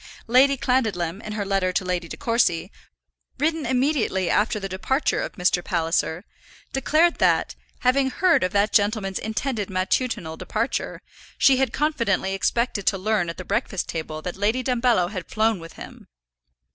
Lady Clandidlem, in her letter to Lady De Courcy, written immediately after the departure of Mr. Palliser, declared that, having heard of that gentleman's intended matutinal departure, she had confidently expected to learn at the breakfast table that Lady Dumbello had flown with him.